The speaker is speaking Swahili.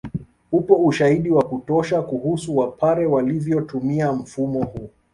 Upo ushahidi wa kutosha kuhusu Wapare walivyotumia mfumo huu